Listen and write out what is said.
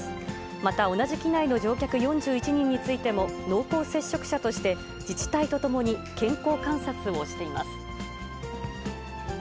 また同じ機内の乗客４１人についても、濃厚接触者として自治体とともに健康観察をしています。